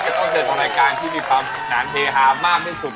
เป็นข้อเถิดของรายการที่มีความสนานเทฮะมากที่สุด